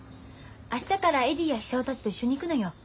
明日からエディや久男たちと一緒に行くのよ。